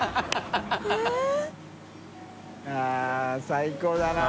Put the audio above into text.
△最高だな。